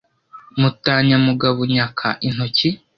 mutanyamugabo nyaka intoki.